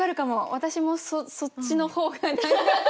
私もそっちの方が何か。